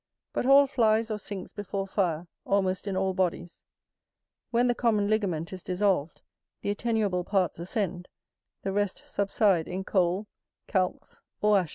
But all flies or sinks before fire almost in all bodies: when the common ligament is dissolved, the attenuable parts ascend, the rest subside in coal, calx, or ashes.